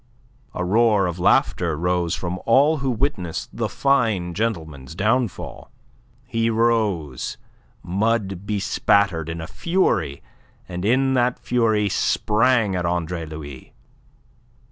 A roar of laughter rose from all who witnessed the fine gentleman's downfall. He rose, mud bespattered, in a fury, and in that fury sprang at Andre Louis.